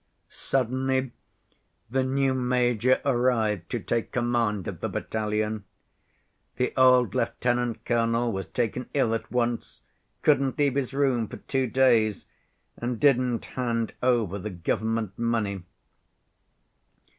"Suddenly the new major arrived to take command of the battalion. The old lieutenant‐colonel was taken ill at once, couldn't leave his room for two days, and didn't hand over the government money.